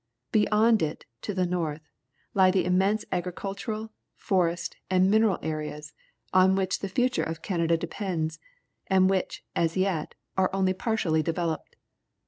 Beyond it, to the north, lie the immense agricultural, forest, and mineral areas on which the future of Canada depends, and which, as yet, are only partiaUy developed.